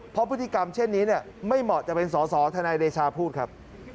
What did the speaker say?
เพราะพฤติกรรมเช่นนี้ไม่เหมาะจะเป็นสอสอทนายเดชาพูดครับ